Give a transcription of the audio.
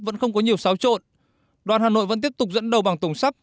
vẫn không có nhiều xáo trộn đoàn hà nội vẫn tiếp tục dẫn đầu bằng tổng sắp